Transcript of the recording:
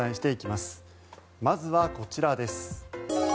まずはこちらです。